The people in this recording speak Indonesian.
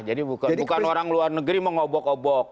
jadi bukan orang luar negeri mau ngobok ngobok